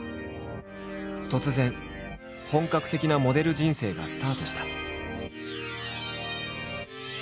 突然本格的なモデル人生がスタートした。